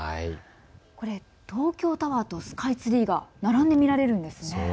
これ東京タワーとスカイツリーが並んで見られるんですね。